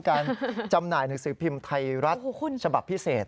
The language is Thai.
จำหน่ายหนังสือพิมพ์ไทยรัฐฉบับพิเศษ